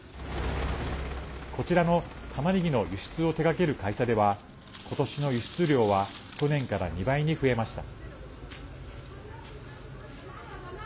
こちらの、たまねぎの輸出を手がける会社では今年の輸出量は去年から２倍に増えました。